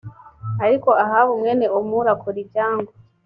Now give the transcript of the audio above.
ariko ahabu mwene omuri akora ibyangwa